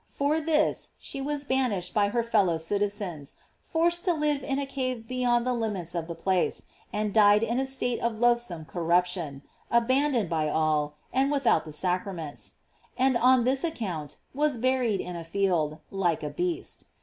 For this she waa banished by her fellow citizens, forced to live in a cave beyond the limits of the place, and died in a state of loathsome corruption, aban doned by all, and without the sacraments; and on this account was buried in a field, like a beast.